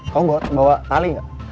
kamu bawa tali gak